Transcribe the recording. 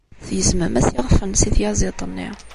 Tgezmem-as iɣef-nnes i tyaziḍt-nni.